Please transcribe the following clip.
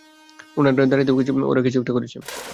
উনার দাঁড়িতে ওরা কিছু একটা করেছে!